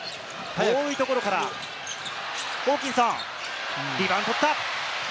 遠いところからホーキンソン、リバウンドを取った。